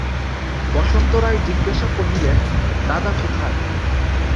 বসন্ত রায় জিজ্ঞাসা কহিলেন, দাদা কোথায়?